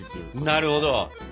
なるほど。